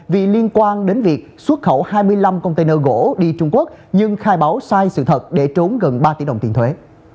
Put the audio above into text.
vì liên quan đến việc xuất khẩu hai mươi năm container gỗ đi trung quốc nhưng khai báo sai sự thật để trốn gần ba tỷ đồng tiền thuế